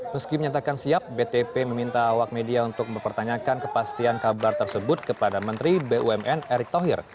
meski menyatakan siap btp meminta awak media untuk mempertanyakan kepastian kabar tersebut kepada menteri bumn erick thohir